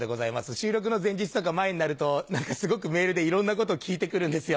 収録の前日とか前になるとすごくメールでいろんなことを聞いてくるんですよ。